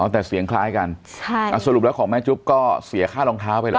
แต่เสียงคล้ายกันสรุปแล้วของแม่จุ๊บก็เสียค่ารองเท้าไปเหรอ